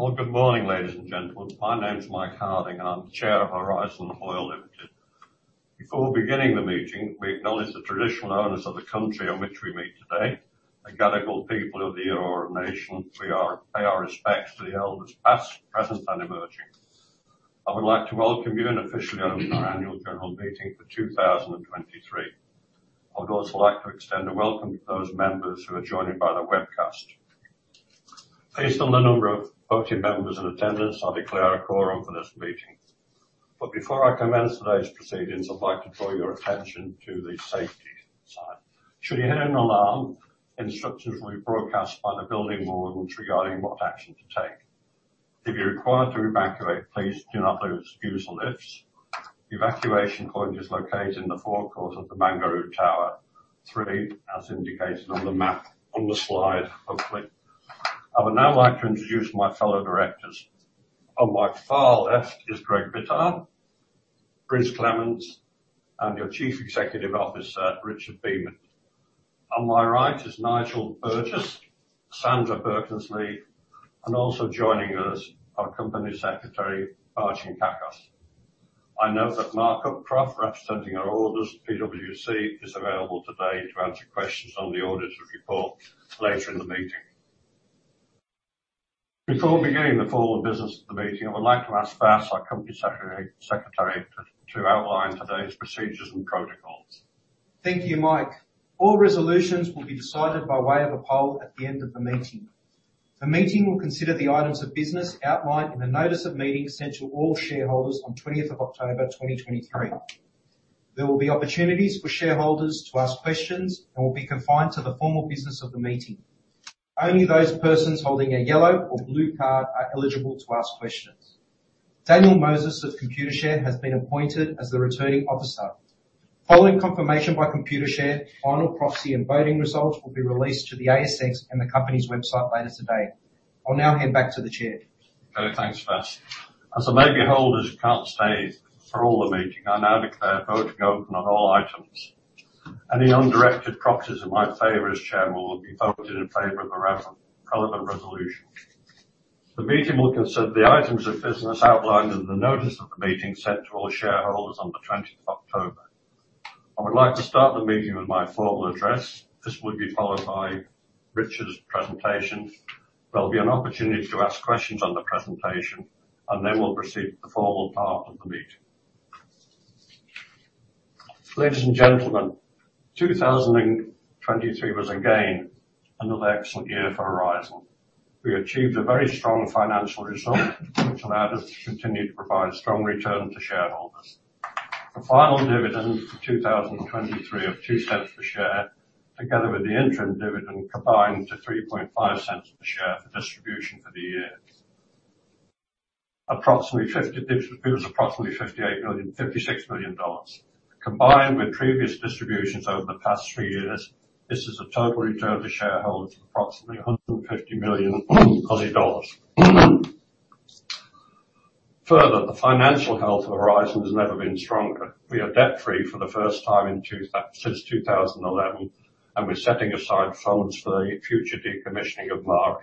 Well, good morning, ladies and gentlemen. My name is Mike Harding, and I'm the Chair of Horizon Oil Limited. Before beginning the meeting, we acknowledge the traditional owners of the country on which we meet today, the Gadigal people of the Eora nation. We pay our respects to the elders, past, present, and emerging. I would like to welcome you and officially open our annual general meeting for 2023. I would also like to extend a welcome to those members who are joining by the webcast. Based on the number of voting members in attendance, I declare a quorum for this meeting. Before I commence today's proceedings, I'd like to draw your attention to the safety sign. Should you hear an alarm, instructions will be broadcast by the building warnings regarding what action to take. If you're required to evacuate, please do not use the lifts. The evacuation point is located in the forecourt of the Barangaroo Tower 3, as indicated on the map on the slide hopefully. I would now like to introduce my fellow directors. On my far left is Greg Bittar, Bruce Clement, and your Chief Executive Officer, Richard Beament. On my right is Nigel Burgess, Sandra Birkensleigh, and also joining us, our Company Secretary, Vasilios Margiankakos. I note that Marc Upcroft, representing our auditors, PwC, is available today to answer questions on the auditor's report later in the meeting. Before beginning the formal business of the meeting, I would like to ask Vas, our company secretary, to outline today's procedures and protocols. Thank you, Mike. All resolutions will be decided by way of a poll at the end of the meeting. The meeting will consider the items of business outlined in the notice of meeting sent to all shareholders on 20th of October 2023. There will be opportunities for shareholders to ask questions and will be confined to the formal business of the meeting. Only those persons holding a yellow or blue card are eligible to ask questions. Daniel Moses of Computershare has been appointed as the Returning Officer. Following confirmation by Computershare, final proxy and voting results will be released to the ASX and the company's website later today. I'll now hand back to the chair. Okay, thanks, Vas. As there may be holders who can't stay for all the meeting, I now declare voting open on all items. Any undirected proxies in my favor as Chair will be voted in favor of the relevant resolution. The meeting will consider the items of business outlined in the notice of the meeting sent to all shareholders on the 20th of October. I would like to start the meeting with my formal address. This will be followed by Richard's presentation. There'll be an opportunity to ask questions on the presentation, and then we'll proceed to the formal part of the meeting. Ladies and gentlemen, 2023 was again another excellent year for Horizon. We achieved a very strong financial result which allowed us to continue to provide a strong return to shareholders. The final dividend for 2023 of 0.02 per share, together with the interim dividend, combined to 0.035 per share for distribution for the year. It was approximately 56 million dollars. Combined with previous distributions over the past three years, this is a total return to shareholders of approximately 150 million dollars. The financial health of Horizon has never been stronger. We are debt-free for the first time since 2011, and we're setting aside funds for the future decommissioning of Maari.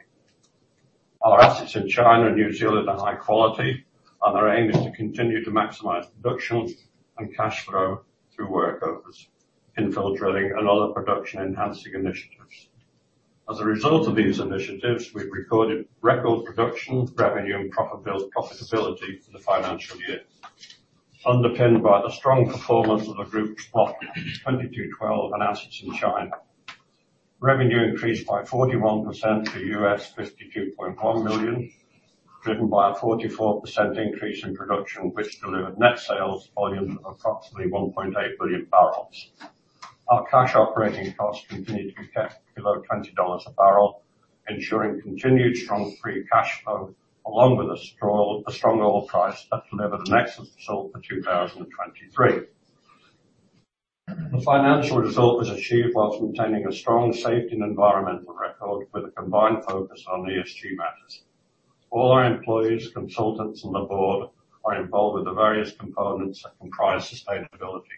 Our assets in China and New Zealand are high quality, and our aim is to continue to maximize production and cash flow through workovers, infill drilling, and other production-enhancing initiatives. As a result of these initiatives, we've recorded record production, revenue, and profitability for the financial year, underpinned by the strong performance of the group's Block 22/12 and assets in China. Revenue increased by 41% to $52.1 million, driven by a 44% increase in production, which delivered net sales volume of approximately 1.8 billion barrels. Our cash operating costs continued to be kept below $20 a barrel, ensuring continued strong free cash flow, along with the strong oil price that delivered a net result for 2023. The financial result was achieved whilst maintaining a strong safety and environmental record with a combined focus on ESG matters. All our employees, consultants, and the board are involved with the various components that comprise sustainability,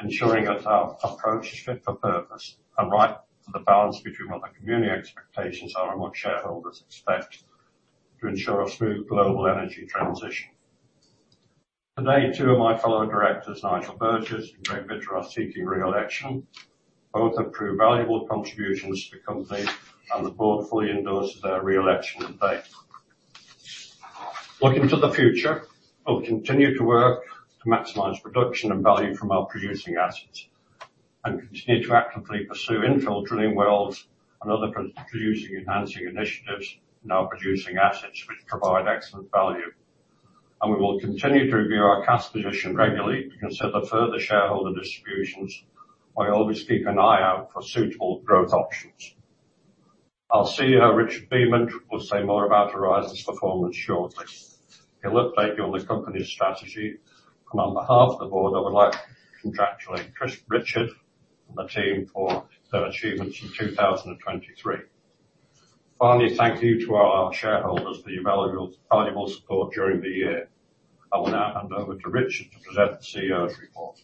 ensuring that our approach is fit for purpose and right for the balance between what the community expectations are and what shareholders expect to ensure a smooth global energy transition. Today, two of my fellow directors, Nigel Burgess and Greg Bittar, are seeking re-election. Both have proved valuable contributions to the company, and the board fully endorses their re-election today. Looking to the future, we'll continue to work to maximize production and value from our producing assets and continue to actively pursue infill drilling wells and other producing enhancing initiatives in our producing assets, which provide excellent value. We will continue to review our cash position regularly to consider further shareholder distributions while always keeping an eye out for suitable growth options. Our CEO, Richard Beament, will say more about Horizon's performance shortly. He'll update you on the company's strategy. On behalf of the board, I would like to congratulate Richard and the team for their achievements in 2023. Finally, thank you to our shareholders for your valuable support during the year. I will now hand over to Richard to present the CEO's report.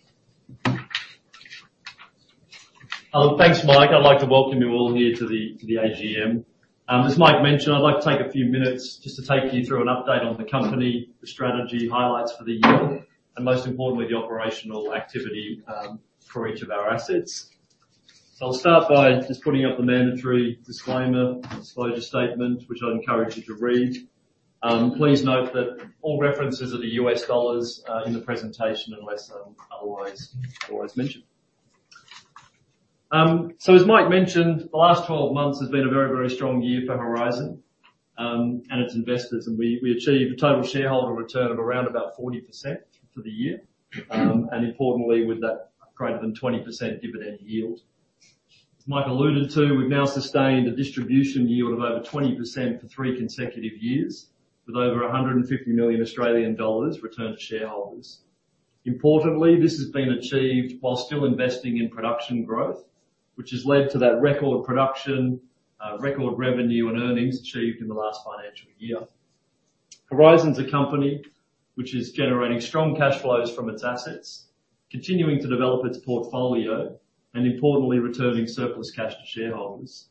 Thanks, Mike. I'd like to welcome you all here to the AGM. As Mike mentioned, I'd like to take a few minutes just to take you through an update on the company, the strategy highlights for the year, and most importantly, the operational activity for each of our assets. I'll start by just putting up the mandatory disclaimer, disclosure statement, which I'd encourage you to read. Please note that all references are the U.S. dollars in the presentation, unless otherwise mentioned. As Mike mentioned, the last 12 months has been a very strong year for Horizon and its investors, and we achieved a total shareholder return of around about 40% for the year, and importantly, with that greater than 20% dividend yield. As Mike alluded to, we've now sustained a distribution yield of over 20% for three consecutive years, with over 150 million Australian dollars returned to shareholders. Importantly, this has been achieved while still investing in production growth, which has led to that record production, record revenue, and earnings achieved in the last financial year. Horizon's a company which is generating strong cash flows from its assets, continuing to develop its portfolio, and importantly, returning surplus cash to shareholders.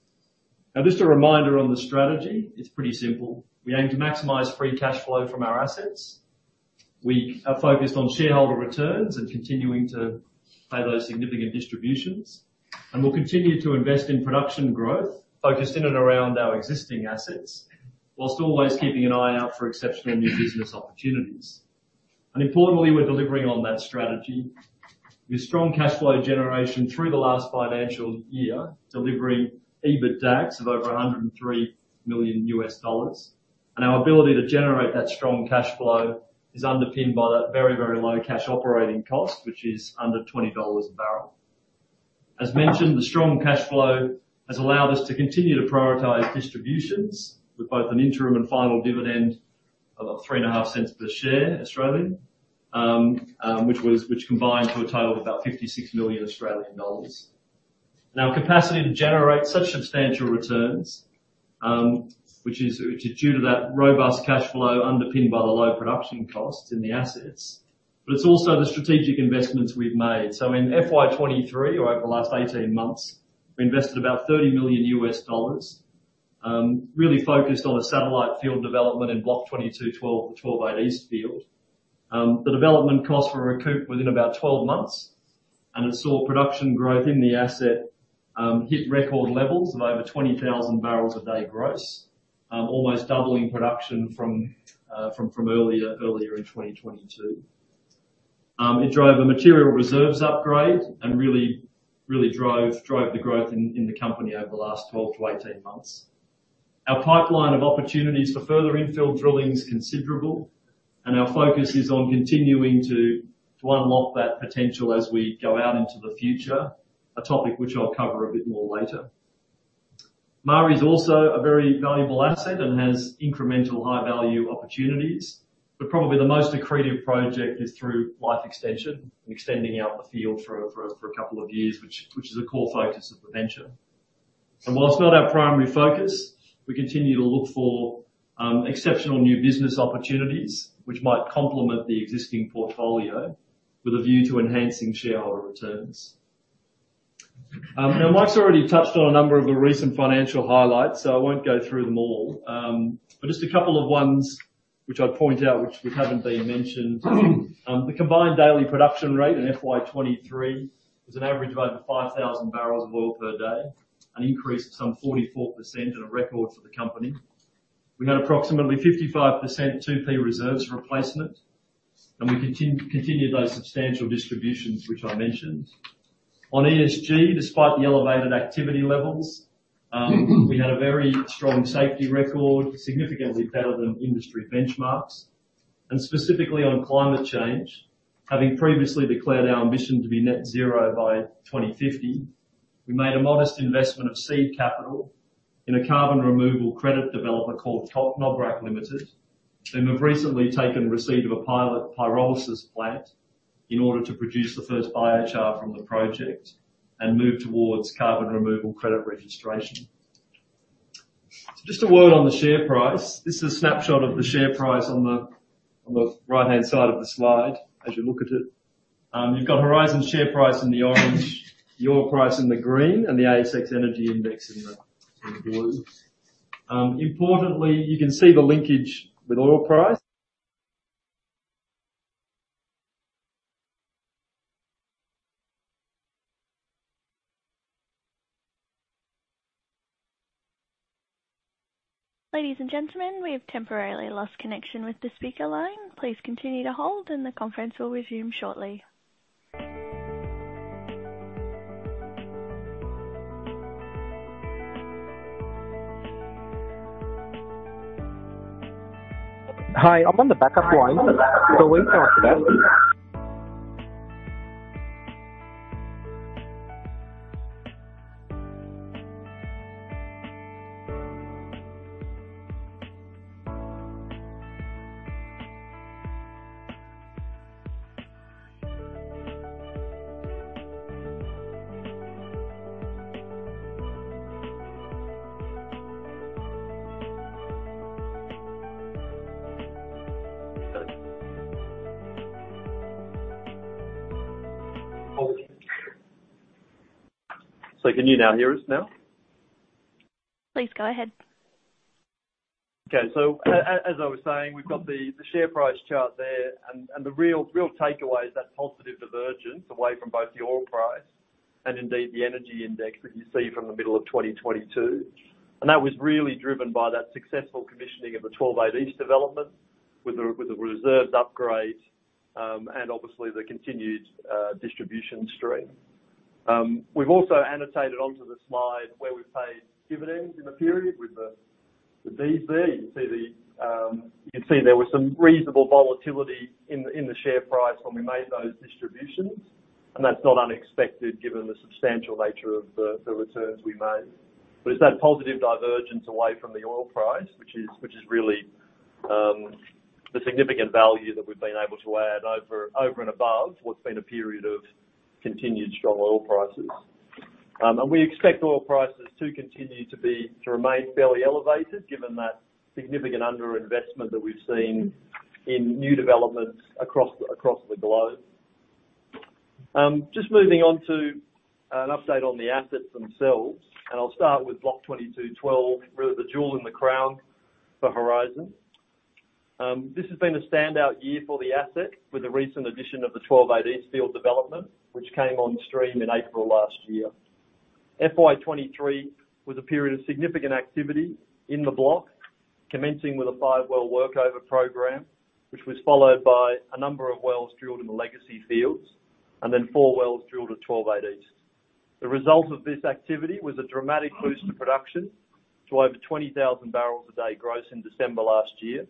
Now, just a reminder on the strategy. It's pretty simple. We aim to maximize free cash flow from our assets. We are focused on shareholder returns and continuing to pay those significant distributions, and we'll continue to invest in production growth focused in and around our existing assets, whilst always keeping an eye out for exceptional new business opportunities. Importantly, we're delivering on that strategy with strong cash flow generation through the last financial year, delivering EBITDA of over $103 million. Our ability to generate that strong cash flow is underpinned by that very low cash operating cost, which is under 20 dollars a barrel. As mentioned, the strong cash flow has allowed us to continue to prioritize distributions with both an interim and final dividend of three and a half cents per share Australian, which combined to a total of about 56 million Australian dollars. Capacity to generate such substantial returns, which is due to that robust cash flow underpinned by the low production costs in the assets, but it's also the strategic investments we've made. In FY 2023, or over the last 18 months, we invested about $30 million, really focused on a satellite field development in Block 22/12, the 12-8 East field. The development costs were recouped within about 12 months, and it saw production growth in the asset hit record levels of over 20,000 barrels a day gross, almost doubling production from earlier in 2022. It drove a material reserves upgrade and really drove the growth in the company over the last 12 to 18 months. Our pipeline of opportunities for further infill drilling is considerable, and our focus is on continuing to unlock that potential as we go out into the future, a topic which I'll cover a bit more later. Maari is also a very valuable asset and has incremental high-value opportunities, but probably the most accretive project is through life extension and extending out the field for a couple of years, which is a core focus of the venture. Whilst not our primary focus, we continue to look for exceptional new business opportunities which might complement the existing portfolio with a view to enhancing shareholder returns. Mike's already touched on a number of the recent financial highlights, so I won't go through them all. Just a couple of ones which I'd point out, which haven't been mentioned. The combined daily production rate in FY 2023 was an average of over 5,000 barrels of oil per day, an increase of some 44% and a record for the company. We had approximately 55% 2P reserves replacement, and we continued those substantial distributions, which I mentioned. On ESG, despite the elevated activity levels, we had a very strong safety record, significantly better than industry benchmarks. Specifically on climate change, having previously declared our ambition to be net zero by 2050, we made a modest investment of seed capital in a carbon removal credit developer called Novocarbo Limited, and we've recently taken receipt of a pilot pyrolysis plant in order to produce the first IHR from the project and move towards carbon removal credit registration. Just a word on the share price. This is a snapshot of the share price on the right-hand side of the slide as you look at it. You've got Horizon's share price in the orange, the oil price in the green, and the ASX energy index in the blue. Importantly, you can see the linkage with oil price. Ladies and gentlemen, we have temporarily lost connection with the speaker line. Please continue to hold and the conference will resume shortly. Hi, I'm on the backup line. Can you now hear us now? Please go ahead. As I was saying, we've got the share price chart there, and the real takeaway is that positive divergence away from both the oil price and indeed the energy index that you see from the middle of 2022. That was really driven by that successful commissioning of the WZ 12-8 East development with the reserves upgrade, and obviously the continued distribution stream. We've also annotated onto the slide where we've paid dividends in the period with the Ds. You can see there was some reasonable volatility in the share price when we made those distributions, and that's not unexpected given the substantial nature of the returns we made. It's that positive divergence away from the oil price, which is really the significant value that we've been able to add over and above what's been a period of continued strong oil prices. We expect oil prices to continue to remain fairly elevated given that significant underinvestment that we've seen in new developments across the globe. Moving on to an update on the assets themselves, and I'll start with Block 22/12, really the jewel in the crown for Horizon. This has been a standout year for the asset with the recent addition of the 12-8 East field development, which came on stream in April last year. FY 2023 was a period of significant activity in the block, commencing with a five-well workover program, which was followed by a number of wells drilled in the legacy fields, and then four wells drilled at 12-8 East. The result of this activity was a dramatic boost to production to over 20,000 barrels a day gross in December last year,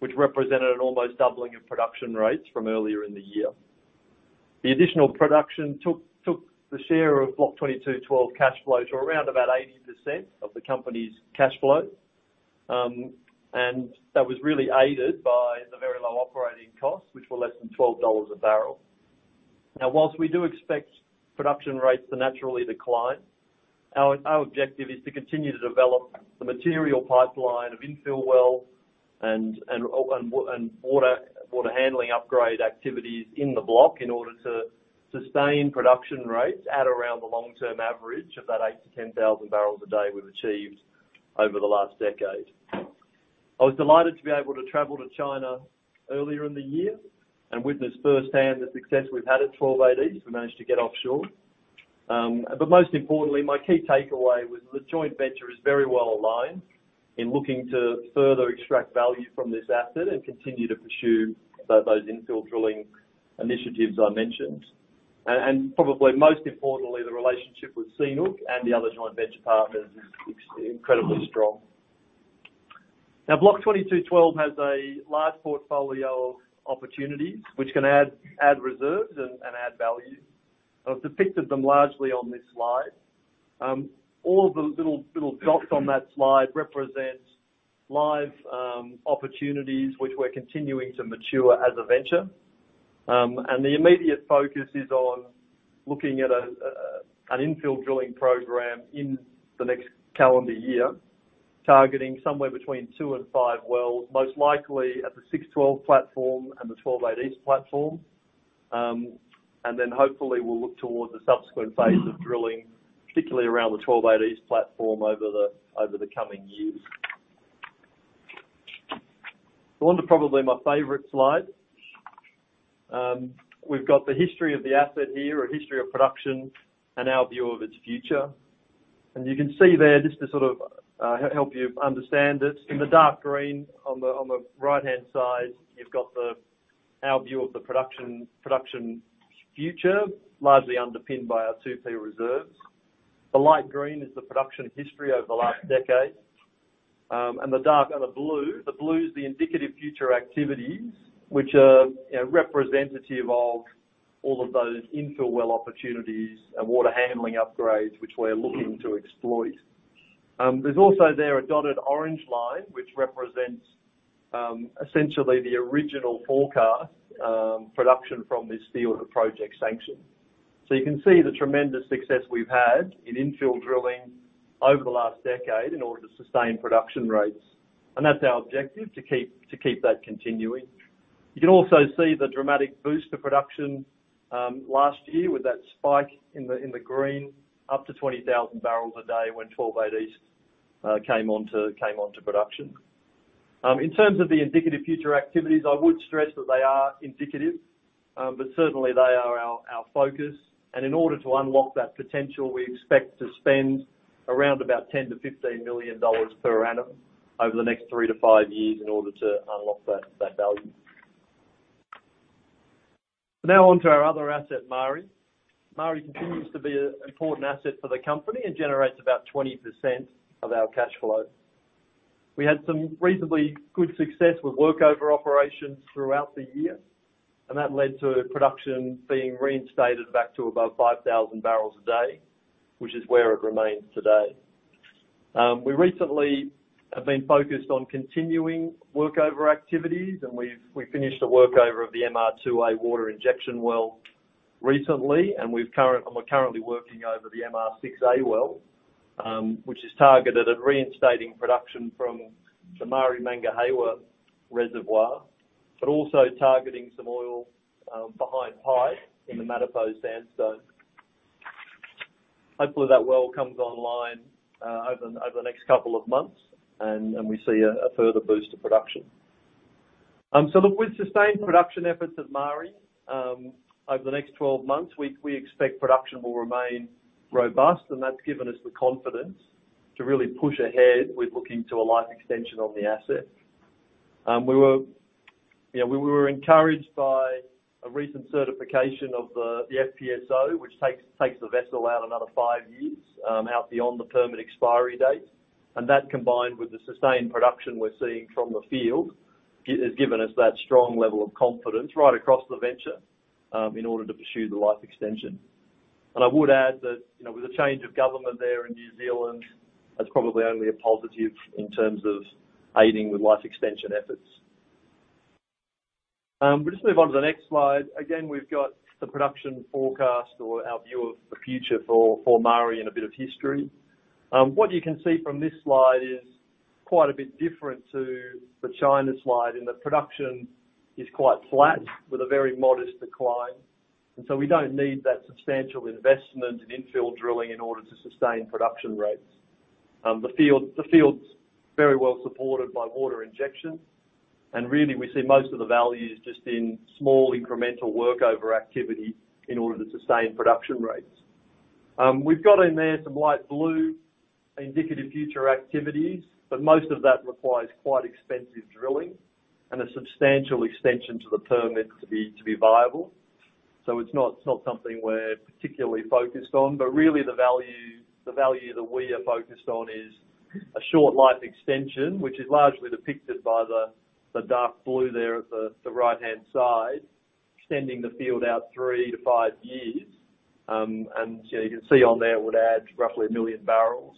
which represented an almost doubling of production rates from earlier in the year. The additional production took the share of Block 22/12 cash flow to around about 80% of the company's cash flow. That was really aided by the very low operating costs, which were less than 12 dollars a barrel. Whilst we do expect production rates to naturally decline, our objective is to continue to develop the material pipeline of infill well and water handling upgrade activities in the block in order to sustain production rates at around the long-term average of that eight to 10,000 barrels a day we've achieved over the last decade. I was delighted to be able to travel to China earlier in the year and witness firsthand the success we've had at 12-8 East. We managed to get offshore. Most importantly, my key takeaway was the joint venture is very well aligned in looking to further extract value from this asset and continue to pursue those infill drilling initiatives I mentioned. Probably most importantly, the relationship with CNOOC and the other joint venture partners is incredibly strong. Block 22/12 has a large portfolio of opportunities, which can add reserves and add value. I've depicted them largely on this slide. All the little dots on that slide represents live opportunities, which we're continuing to mature as a venture. The immediate focus is on looking at an infill drilling program in the next calendar year, targeting somewhere between two and five wells, most likely at the 612 platform and the 12-8 East platform. Hopefully we'll look towards a subsequent phase of drilling, particularly around the 12-8 East platform over the coming years. On to probably my favorite slide. We've got the history of the asset here, a history of production, and our view of its future. You can see there, just to sort of help you understand it, in the dark green on the right-hand side, you've got our view of the production future, largely underpinned by our 2P reserves. The light green is the production history over the last decade. The blue is the indicative future activities, which are representative of all of those infill well opportunities and water handling upgrades, which we're looking to exploit. There's also there a dotted orange line, which represents essentially the original forecast production from this field at project sanction. You can see the tremendous success we've had in infill drilling over the last decade in order to sustain production rates. That's our objective, to keep that continuing. You can also see the dramatic boost to production last year with that spike in the green, up to 20,000 barrels a day when 12-8 East came onto production. In terms of the indicative future activities, I would stress that they are indicative, but certainly they are our focus. In order to unlock that potential, we expect to spend around about $10 million-$15 million per annum over the next three to five years in order to unlock that value. Now on to our other asset, Maari. Maari continues to be an important asset for the company and generates about 20% of our cash flow. We had some reasonably good success with workover operations throughout the year, and that led to production being reinstated back to above 5,000 barrels a day, which is where it remains today. We recently have been focused on continuing workover activities, and we finished a workover of the MR2A water injection well, and we're currently working over the MR-6A well, which is targeted at reinstating production from the Maari Mangahewa reservoir, but also targeting some oil behind pipe in the Moki Sandstone. Hopefully, that well comes online over the next couple of months, and we see a further boost to production. Look, with sustained production efforts at Maari over the next 12 months, we expect production will remain robust, and that's given us the confidence to really push ahead with looking to a life extension on the asset. We were encouraged by a recent certification of the FPSO, which takes the vessel out another five years, out beyond the permit expiry date. That, combined with the sustained production we're seeing from the field, has given us that strong level of confidence right across the venture in order to pursue the life extension. I would add that with a change of government there in New Zealand, that's probably only a positive in terms of aiding with life extension efforts. We'll just move on to the next slide. Again, we've got the production forecast or our view of the future for Maari and a bit of history. What you can see from this slide is quite a bit different to the China slide, in that production is quite flat with a very modest decline. We don't need that substantial investment in infill drilling in order to sustain production rates. The field is very well supported by water injection, and really we see most of the value is just in small incremental workover activity in order to sustain production rates. We've got in there some light blue indicative future activities, but most of that requires quite expensive drilling and a substantial extension to the permit to be viable. It's not something we're particularly focused on. Really the value that we are focused on is a short life extension, which is largely depicted by the dark blue there at the right-hand side, extending the field out three to five years. You can see on there it would add roughly one million barrels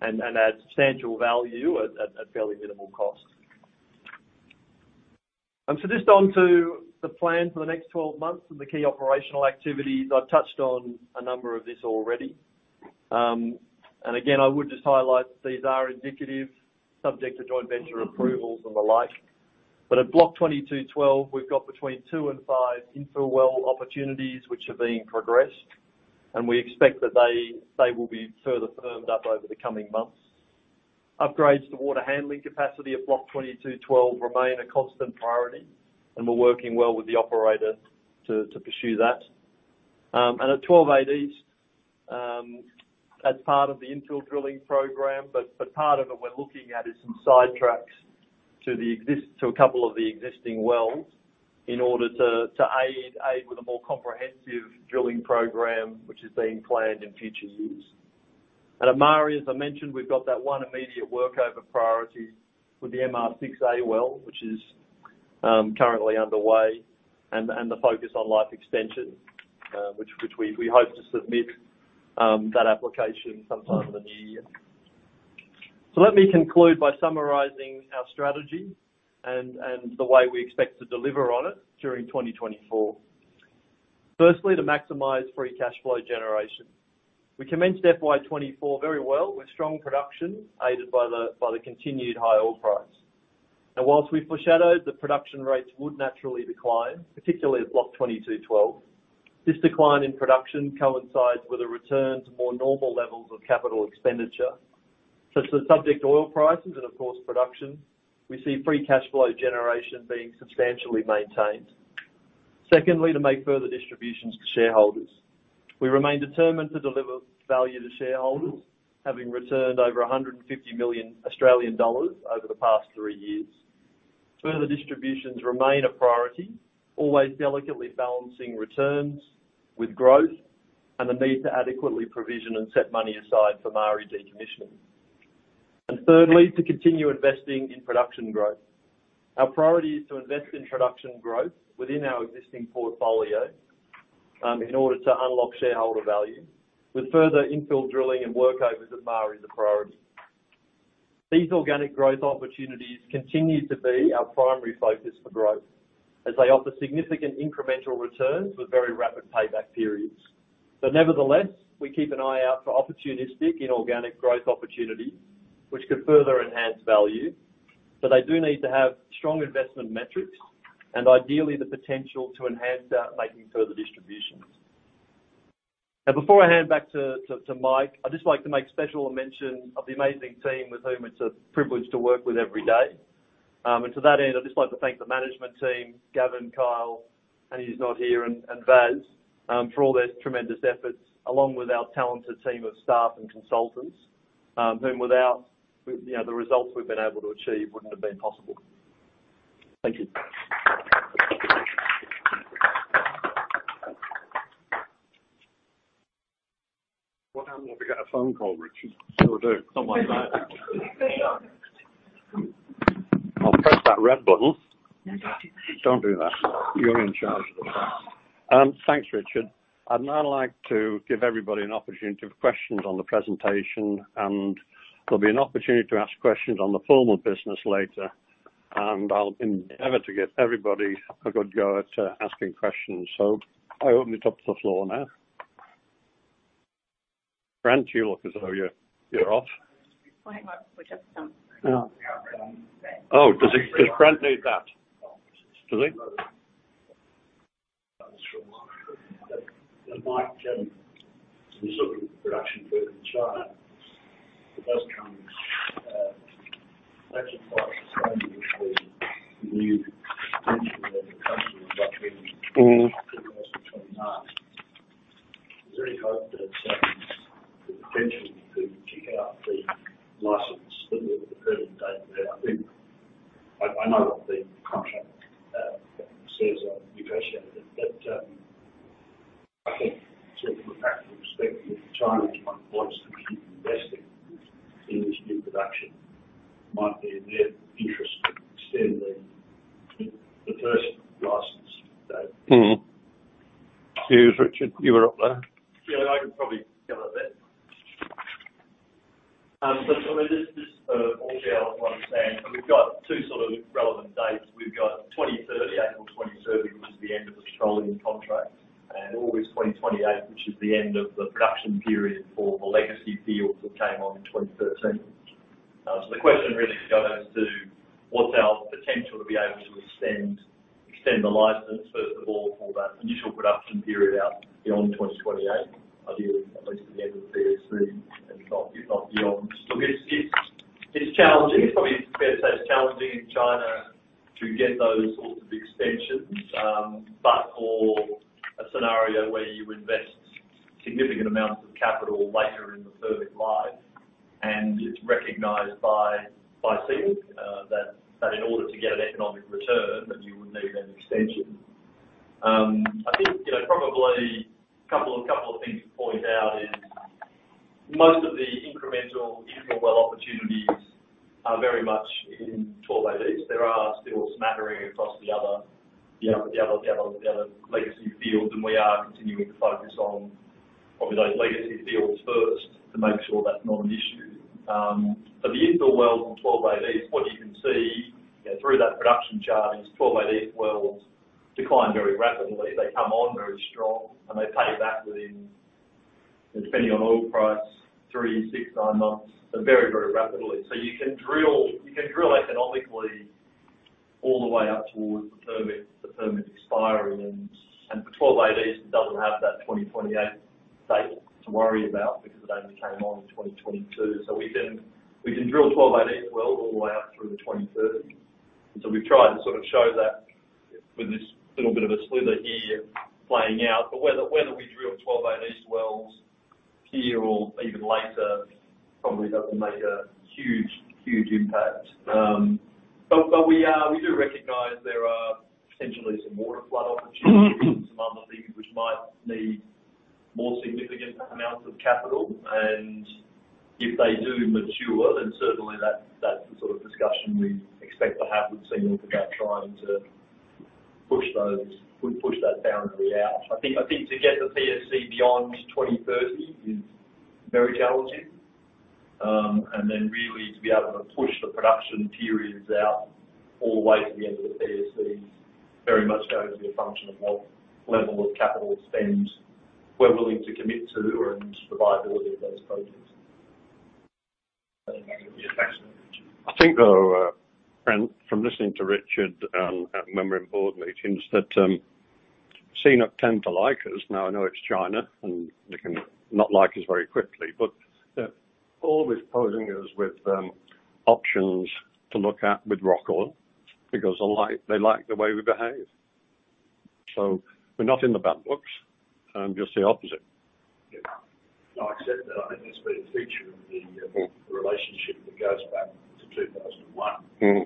and add substantial value at fairly minimal cost. Just on to the plan for the next 12 months and the key operational activities. I've touched on a number of this already. Again, I would just highlight that these are indicative, subject to joint venture approvals and the like. At Block 22/12, we've got between 2 and 5 infill well opportunities which are being progressed, and we expect that they will be further firmed up over the coming months. Upgrades to water handling capacity at Block 22/12 remain a constant priority, and we're working well with the operator to pursue that. At 12-8E, as part of the infill drilling program, but part of it we're looking at is some sidetracks to a couple of the existing wells in order to aid with a more comprehensive drilling program, which is being planned in future years. At Maari, as I mentioned, we've got that one immediate workover priority with the MR-6A well, which is currently underway, and the focus on life extension, which we hope to submit that application sometime in the new year. Let me conclude by summarizing our strategy and the way we expect to deliver on it during 2024. Firstly, to maximize free cash flow generation. We commenced FY 2024 very well with strong production, aided by the continued high oil price. Whilst we foreshadowed that production rates would naturally decline, particularly at Block 22/12, this decline in production coincides with a return to more normal levels of capital expenditure, such that subject oil prices and, of course, production, we see free cash flow generation being substantially maintained. Secondly, to make further distributions to shareholders. We remain determined to deliver value to shareholders, having returned over 150 million Australian dollars over the past three years. Further distributions remain a priority, always delicately balancing returns with growth and the need to adequately provision and set money aside for Maari decommissioning. Thirdly, to continue investing in production growth. Our priority is to invest in production growth within our existing portfolio in order to unlock shareholder value, with further infill drilling and workovers at Maari as a priority. These organic growth opportunities continue to be our primary focus for growth as they offer significant incremental returns with very rapid payback periods. Nevertheless, we keep an eye out for opportunistic inorganic growth opportunities, which could further enhance value, but they do need to have strong investment metrics and ideally the potential to enhance our making further distributions. Before I hand back to Mike, I'd just like to make special mention of the amazing team with whom it's a privilege to work with every day. To that end, I'd just like to thank the management team, Gavin, Kyle, Andy who's not here, and Vas, for all their tremendous efforts, along with our talented team of staff and consultants, whom without the results we've been able to achieve wouldn't have been possible. Thank you. What happens if we get a phone call, Richard? Sure do. Someone's back. I'll press that red button. No, don't do that. Don't do that. You're in charge of the button. Thanks, Richard. I'd now like to give everybody an opportunity for questions on the presentation, and there'll be an opportunity to ask questions on the formal business later. I'll endeavor to get everybody a good go at asking questions. I open it up to the floor now. Brent, you look as though you're off. Well, hang on. We'll just. Oh. Does Brent need that? Does he? That's from Mike. This production curve in China, it does come actually quite strangely with the new extension of the company in 2028. I really hope that it's the potential to kick out the license with the current date there. I know what the contract says on negotiation. I think from a practical perspective, if China wants to keep investing in this new production, it might be in their interest to extend the first license date. Cheers, Richard. You were up there. Yeah, I can probably cover that. This all goes to understand, we've got two relevant dates. We've got 2030, April 2030, which is the end of the petroleum contract, and August 2028, which is the end of the production period for the legacy fields that came on in 2013. The question really goes to what's our potential to be able to extend the license, first of all, for that initial production period out beyond 2028, ideally at least to the end of the PSC, if not beyond. Look, it's challenging. It's probably fair to say it's challenging in China to get those sorts of extensions. For a scenario where you invest significant amounts of capital later in the permit life, and it's recognized by CNOOC that in order to get an economic return, that you would need an extension. I think, probably a couple of things to point out is most of the incremental infill well opportunities are very much in WZ 12-8 East. There are still a smattering across the other legacy fields, and we are continuing to focus on probably those legacy fields first to make sure that's not an issue. The infill wells on WZ 12-8 East, what you can see through that production chart is WZ 12-8 East wells decline very rapidly. They come on very strong, and they pay back within, depending on oil price, three, six, nine months, so very rapidly. You can drill economically all the way up towards the permit expiry, and for WZ 12-8 East, it doesn't have that 2028 date to worry about because it only came on in 2022. We can drill WZ 12-8 East well all the way up through to 2030. We've tried to show that with this little bit of a slither here playing out. Whether we drill 12-8 East wells here or even later probably doesn't make a huge impact. We do recognize there are potentially some waterflood opportunities. Some other things which might need more significant amounts of capital. If they do mature, then certainly that's the sort of discussion we expect to have with CNOOC about trying to push that boundary out. I think to get the PSC beyond 2030 is very challenging. Really, to be able to push the production periods out all the way to the end of the PSC, very much goes to a function of what level of capital spend we're willing to commit to and the viability of those projects. Yeah, thanks. I think, though, Brent, from listening to Richard, and remembering board meetings, that CNOOC tend to like us. I know it's China, and they can not like us very quickly. They're always posing us with options to look at with Roc Oil because they like the way we behave. We're not in the bad books, just the opposite. Yeah. No, I accept that. I think that's been a feature of the relationship that goes back to 2001.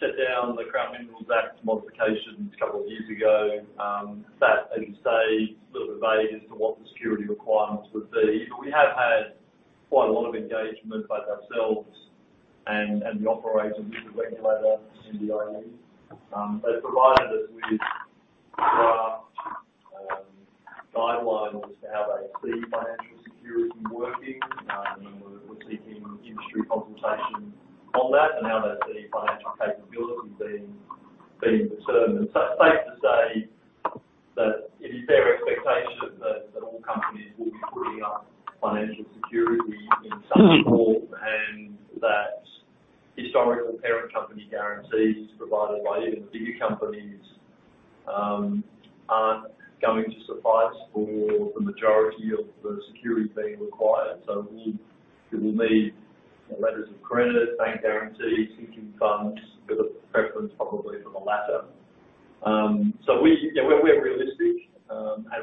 set down the Crown Minerals Act modifications a couple of years ago. That, as you say, is a little bit vague as to what the security requirements would be. We have had quite a lot of engagement, both ourselves and the operator with the regulator, the NDIE. They provided us with draft guidelines as to how they see financial security working. We're seeking industry consultation on that and how they see financial capability being determined. Safe to say that it is their expectation that all companies will be putting up financial security in some form, and that historical parent company guarantees provided by even bigger companies aren't going to suffice for the majority of the security being required. We will need letters of credit, bank guarantees, sinking funds, with a preference probably for the latter.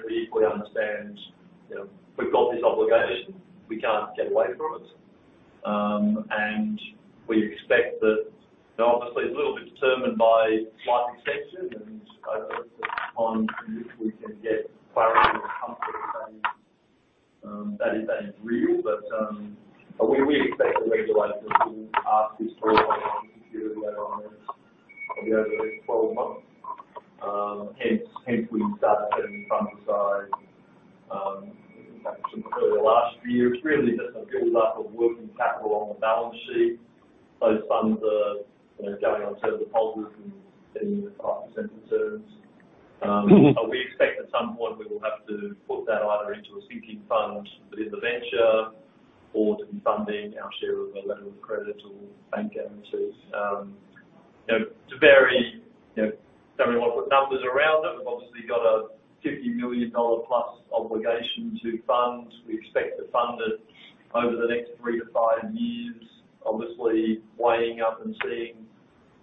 We equally understand, we've got this obligation, we can't get away from it. We expect that, obviously it's a little bit determined by life extension, and obviously on in which we can get clarity and comfort that is real. We expect the regulators will ask this sort of security letter on us over the next 12 months. Hence, we've started setting funds aside since probably the last few years, really just a build-up of working capital on the balance sheet. Those funds are going on certificates of deposits and getting 5% returns. We expect at some point we will have to put that either into a sinking fund within the venture or to be funding our share of a letter of credit or bank guarantees. To vary, don't really want to put numbers around it. We've obviously got a 50 million dollar plus obligation to fund. We expect to fund it over the next 3-5 years, obviously weighing up and seeing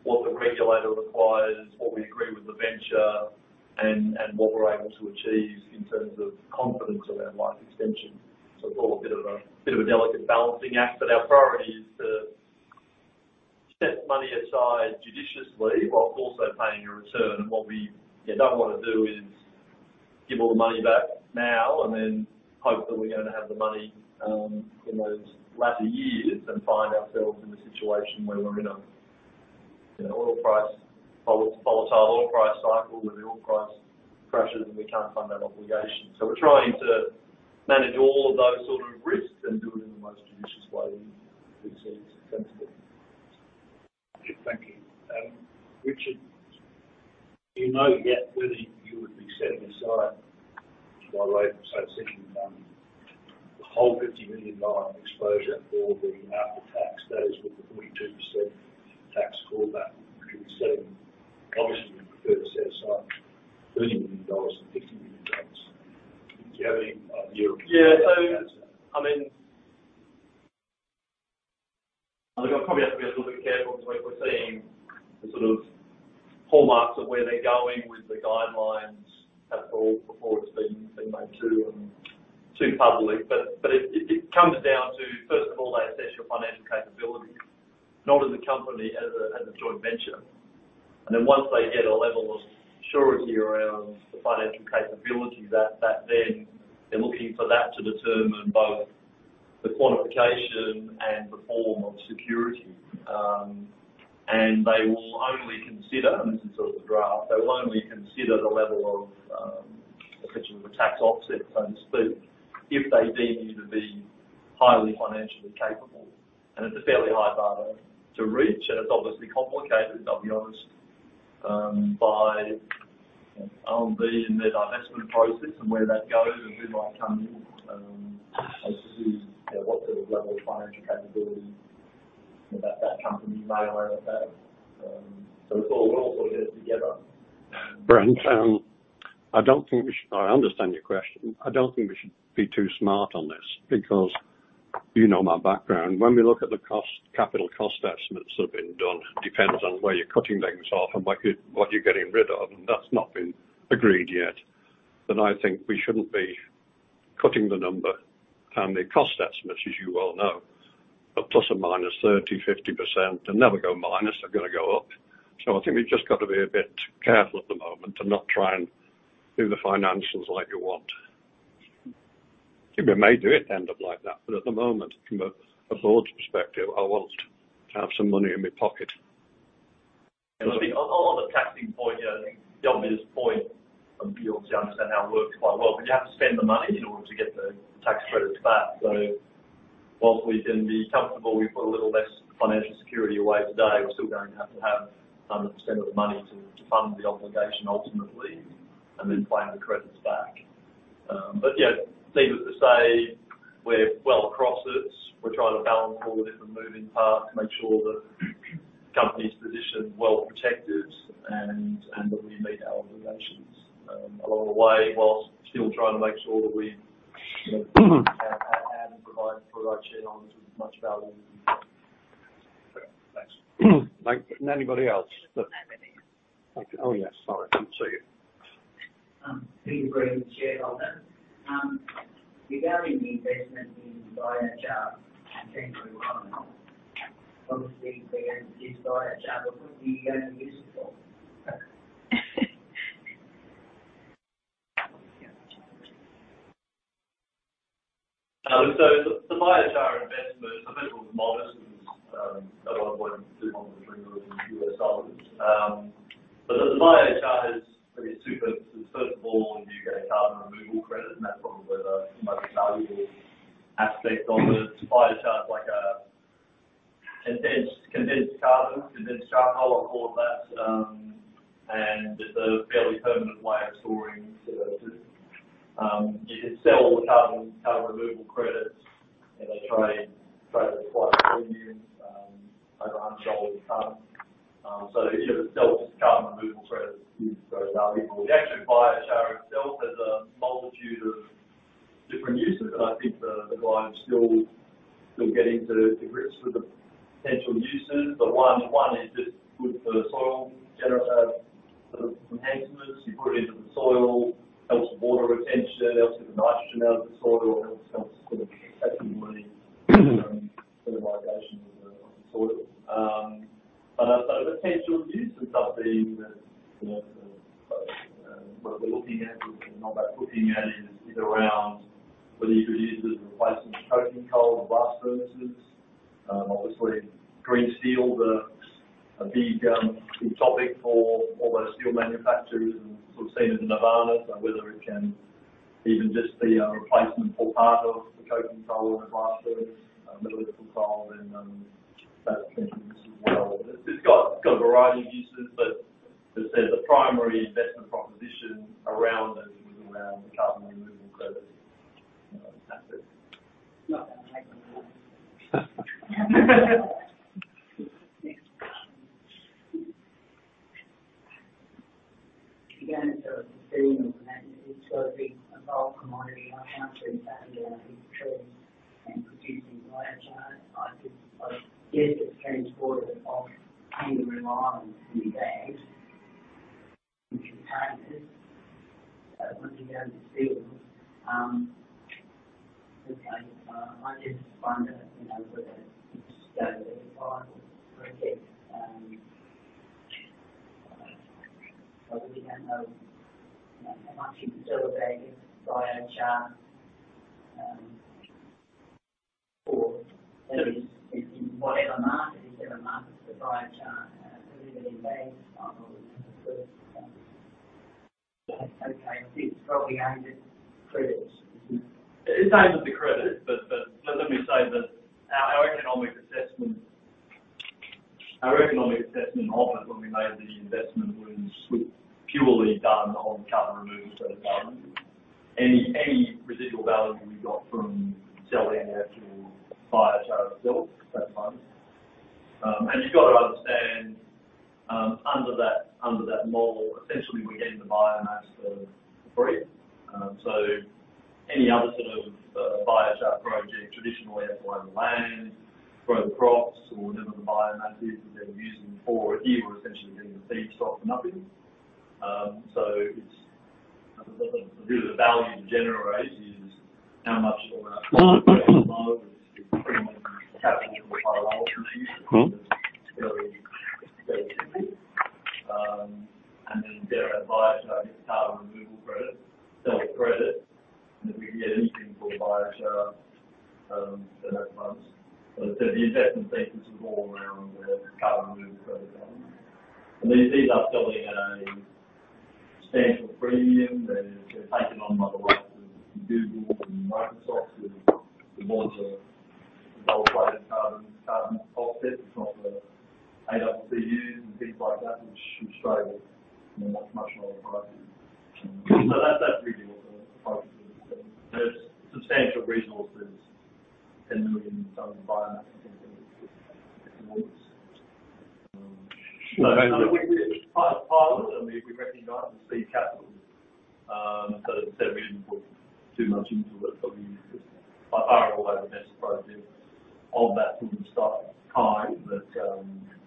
what the regulator requires, what we agree with the venture, and what we're able to achieve in terms of confidence around life extension. It's all a bit of a delicate balancing act, but our priority is to set money aside judiciously whilst also paying a return. What we don't want to do is give all the money back now and then hope that we're going to have the money in those latter years and find ourselves in the situation where we're in a volatile oil price cycle, where the oil price crashes, and we can't fund that obligation. We're trying to manage all of those sort of risks and do it in the most judicious way we see sensible. Okay. Thank you. Richard, do you know yet whether you would be setting aside, by way of say, sinking fund, the whole 50 million dollar exposure or the after-tax that is with the 42% tax call back? Obviously, we'd prefer to set aside 30 million dollars than 50 million dollars. Do you have any view? I probably have to be a little bit careful because we're seeing the sort of hallmarks of where they're going with the guidelines. That's all before it's been made too public. It comes down to, first of all, they assess your financial capability, not as a company, as a joint venture. Once they get a level of surety around the financial capability, that then they're looking for that to determine both the quantification and the form of security. They will only consider, and this is sort of the draft, they will only consider the level of essentially the tax offset funds, but if they deem you to be highly financially capable. It's a fairly high bar to reach, and it's obviously complicated, I'll be honest, by R&D and their divestment process and where that goes and who might come in, and to see what sort of level of financial capability that company may or may not have. We're all sort of in it together. Brent, I understand your question. I don't think we should be too smart on this, because you know my background. When we look at the capital cost estimates that have been done, depends on where you're cutting things off and what you're getting rid of, and that's not been agreed yet. I think we shouldn't be cutting the number and the cost estimates, as you well know. Plus or minus 30%-50%, they'll never go minus, they're going to go up. I think we've just got to be a bit careful at the moment and not try and do the financials like you want. We may do it end up like that, but at the moment, from a board's perspective, I want to have some money in my pocket. On the taxing point, yeah, I think the obvious point for people to understand how it works quite well, but you have to spend the money in order to get the tax credits back. Whilst we can be comfortable we put a little less financial security away today, we're still going to have to have 100% of the money to fund the obligation ultimately, and then claim the credits back. Yeah, needless to say, we're well across it. We're trying to balance all the different moving parts to make sure the company's position is well protected and that we meet our obligations along the way, whilst still trying to make sure that we add and provide for our shareholders as much value as we can. Thanks. Thanks. Anybody else? I have an answer. Oh, yes, sorry. I didn't see you. Peter Green, Shareholder. Regarding the investment in biochar and obviously, biochar, but what are you going to use it for? The biochar investment, I think it was modest. It was $1.2 million or $3 million USD. The biochar has really two purposes. First of all, you get a carbon removal credit, and that's probably the most valuable aspect of the biochar. It's like a condensed carbon, condensed charcoal. I call it that. It's a fairly permanent way of storing. You can sell the carbon removal credits. They trade quite premium, over $100 a ton. If it sells carbon removal credits, it is very valuable. The actual biochar itself has a multitude of different uses, and I think the client is still getting to grips with the potential uses. One is it's good for soil enhancements. You put it into the soil, helps with water retention, helps with the nitrogen out of the soil, helps with accessibility, fertilization of the soil. The potential uses, what we're looking at, not that looking at, is around whether you could use it as a replacement for coking coal for blast furnaces. Obviously, green steel is a big topic for all those steel manufacturers and sort of seen as nirvana. Whether it can even just be a replacement for part of the coking coal in a blast furnace, a little bit of control in that potential use as well. It's got a variety of uses, but as I said, the primary investment proposition around those is around the carbon removal credits. That's it. It's a big, evolved commodity. I can't see exactly how you're trading and producing biochar. I guess it's transported off in reliance in bags, which are packaged. Once you go to steel, okay, I just wonder whether it's going to be viable for a kit. We don't know how much you can sell a bag of biochar, or in whatever market, whichever market for biochar, is it going to be bags, or will it be loose? Okay. I think it's probably aimed at credits, isn't it? It's aimed at the credit, but let me say that our economic assessment of it when we made the investment was purely done on carbon removal credits only. Any residual value we got from selling the actual biochar itself, that's a bonus. You got to understand, under that model, essentially, we're getting the biomass for free. Any other sort of biochar project traditionally has to own the land, grow the crops or whatever the biomass is that they're using for it. Here, we're essentially getting the feedstock for nothing. Really the value to generate is how much and then get that biochar into carbon removal credits, sell the credits, and if we can get anything for biochar, then that's a bonus. The investment thesis is all around the carbon removal credit side. These are still in the early-Stand for premium. They're taken on by the likes of Google and Microsoft, with the boards of old players carving off bits across the ACCU and things like that, which should struggle in a much narrower price. That's really what the approach is. There's substantial resources, 10 million tons of biomass and things in the woods. We did it as a pilot, and we recognize the seed capital. That we didn't put too much into it. We used this. By far, although the best approach is of that proof of concept kind that with the team and the same guys.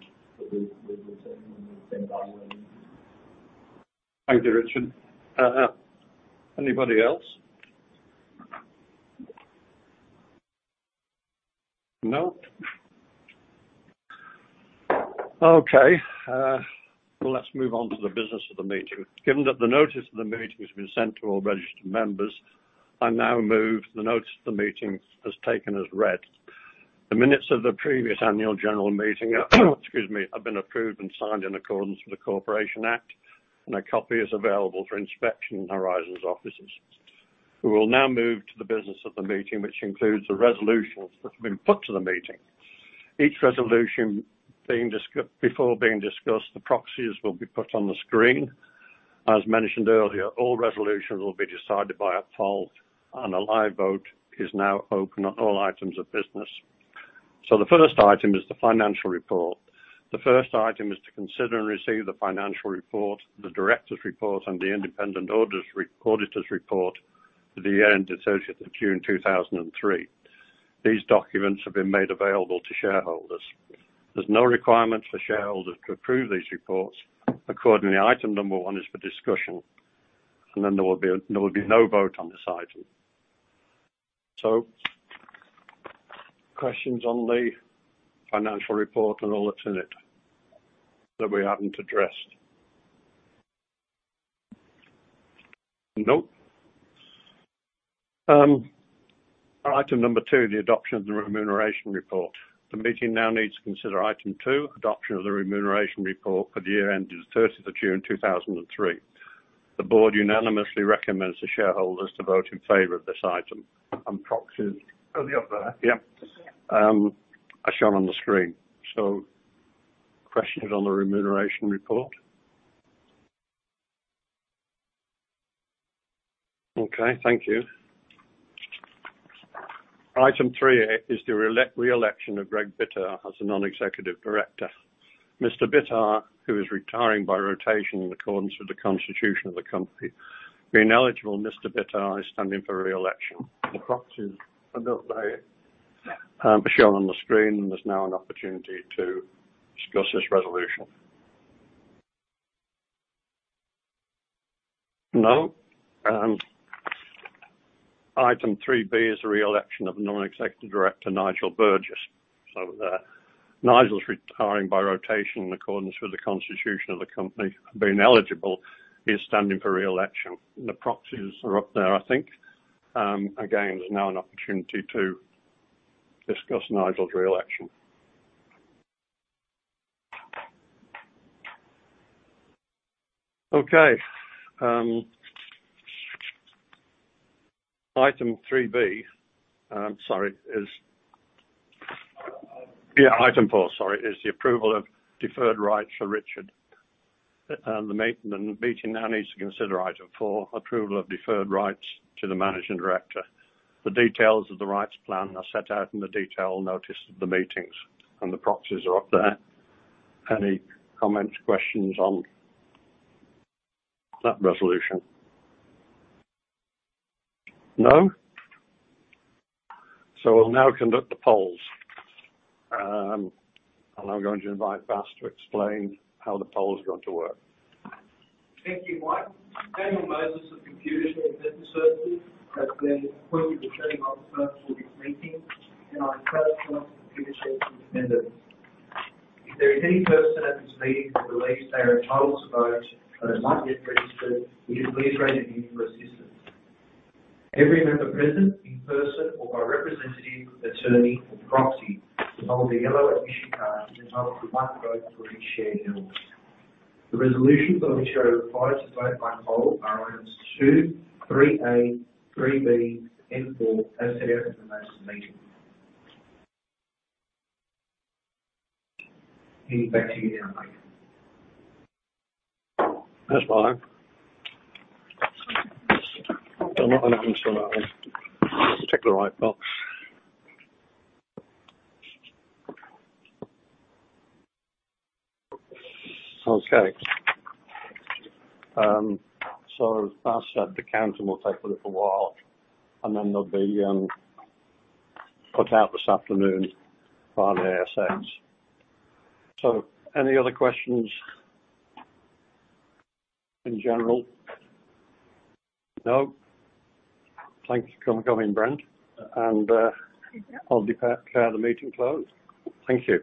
Thank you, Richard. Anybody else? No? Okay. Let's move on to the business of the meeting. Given that the notice of the meeting has been sent to all registered members, I now move the notice of the meeting as taken as read. The minutes of the previous annual general meeting excuse me, have been approved and signed in accordance with the Corporations Act, and a copy is available for inspection in Horizon's offices. We will now move to the business of the meeting, which includes the resolutions that have been put to the meeting. Each resolution, before being discussed, the proxies will be put on the screen. As mentioned earlier, all resolutions will be decided by a poll, and a live vote is now open on all items of business. The first item is the financial report. The first item is to consider and receive the financial report, the director's report, and the independent auditor's report for the year end associated to June 2003. These documents have been made available to shareholders. There's no requirement for shareholders to approve these reports. Accordingly, item number 1 is for discussion, and then there will be no vote on this item. Questions on the financial report and all that's in it that we haven't addressed? No. Item number 2, the adoption of the remuneration report. The meeting now needs to consider item 2, adoption of the remuneration report for the year end of the 3rd of June 2003. The board unanimously recommends the shareholders to vote in favor of this item, and proxies. Oh, they're up there. Yep. Yeah. As shown on the screen. Questions on the remuneration report? Okay, thank you. Item three is the re-election of Greg Bittar as a non-executive director. Mr. Bittar, who is retiring by rotation in accordance with the constitution of the company. Being eligible, Mr. Bittar is standing for re-election. The proxies are dealt by. Be shown on the screen. There's now an opportunity to discuss this resolution. No? Item 3B is a re-election of Non-Executive Director Nigel Burgess. Nigel's retiring by rotation in accordance with the constitution of the company. Being eligible, he is standing for re-election. The proxies are up there, I think. Again, there's now an opportunity to discuss Nigel's re-election. Okay. Item 3B. Sorry, item four. Yeah, item four, sorry, is the approval of deferred rights for Richard. The meeting now needs to consider item four, approval of deferred rights to the Managing Director. The details of the rights plan are set out in the detailed notice of the meetings, and the proxies are up there. Any comments, questions on that resolution? No? We'll now conduct the polls. I'm going to invite Vas to explain how the poll is going to work. Thank you, Mike. Daniel Moses of Computershare has been appointed the counting officer for this meeting, and I declare the computer checks independent. If there is any person at this meeting who believes they are entitled to vote but is not yet registered, we can please raise your hand for assistance. Every member present, in person or by representative, attorney, or proxy, that holds a yellow admission card is entitled to one vote for each share held. The resolutions on which you are required to vote by poll are items two, 3A, 3B, and four, as set out in the notice of the meeting. Back to you now, Mike. That's fine. I'm not going to answer that one. Tick the right box. Okay. As Vas said, the counting will take a little while, and then they'll be put out this afternoon via SMS. Any other questions in general? No? Thanks for coming, Brent. I'll declare the meeting closed. Thank you.